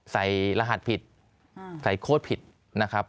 รหัสผิดใส่โคตรผิดนะครับ